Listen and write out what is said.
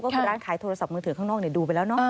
ก็คือร้านขายโทรศัพท์มือถือข้างนอกดูไปแล้วเนาะ